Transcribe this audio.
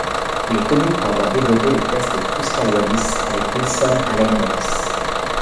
Il est connu pour avoir développé le test de Kruskal-Wallis avec Wilson Allen Wallis.